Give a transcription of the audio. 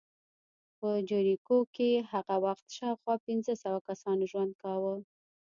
په جریکو کې هغه وخت شاوخوا پنځه سوه کسانو ژوند کاوه